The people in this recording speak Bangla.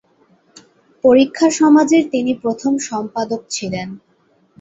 পরীক্ষা সমাজের তিনি প্রথম সম্পাদক ছিলেন।